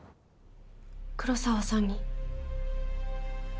黒澤さんに？